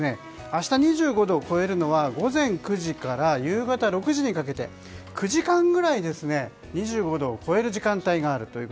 明日、２５度を超えるのは午前９時から夕方６時にかけて、９時間ぐらい２５度を超える時間帯があります。